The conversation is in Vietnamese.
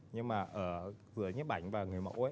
nhưng mà ở giữa nhiếp ảnh và người mẫu